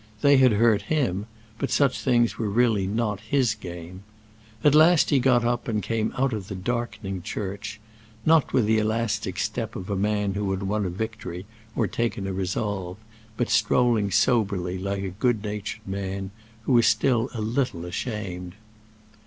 They had hurt him, but such things were really not his game. At last he got up and came out of the darkening church; not with the elastic step of a man who had won a victory or taken a resolve, but strolling soberly, like a good natured man who is still a little ashamed.